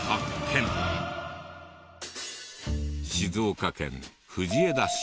静岡県藤枝市。